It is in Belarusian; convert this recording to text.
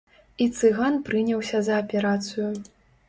І цыган прыняўся за аперацыю.